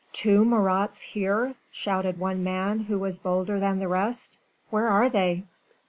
"Two Marats here?" shouted one man, who was bolder than the rest. "Where are they?"